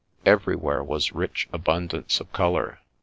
Everywhere was rich abundance of colour.